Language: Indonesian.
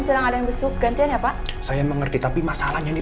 sedang ada yang besuk gantian ya pak saya mengerti tapi masalahnya di